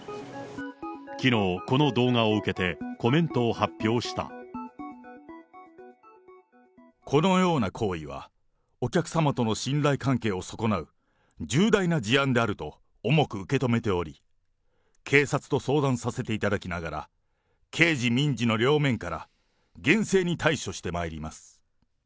きのう、この動画を受けて、コメこのような行為は、お客様との信頼関係を損なう重大な事案であると重く受け止めており、警察と相談させていただきながら、刑事民事の両面から厳正に対処してまいります。